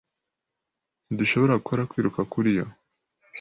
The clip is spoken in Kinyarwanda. Ntidushobora gukora kwiruka kuri yo?